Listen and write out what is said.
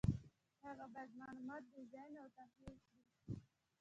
هغه باید معلومات ډیزاین او تحلیل کړي.